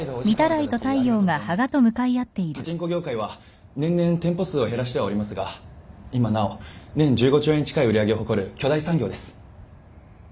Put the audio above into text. パチンコ業界は年々店舗数を減らしてはおりますが今なお年１５兆円近い売り上げを誇る巨大産業です。